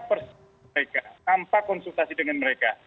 persis mereka tanpa konsultasi dengan mereka